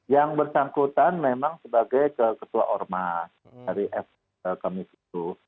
yang bersangkutan memang sebagai ketua ormas dari fkmis itu